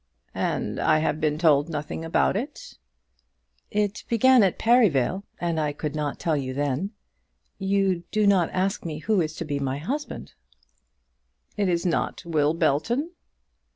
"And I have been told nothing about it!" "It began at Perivale, and I could not tell you then. You do not ask me who is to be my husband." "It is not Will Belton?"